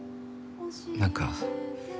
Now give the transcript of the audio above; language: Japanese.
何か